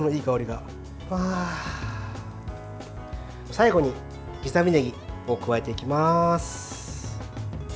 最後に刻みねぎを加えていきます。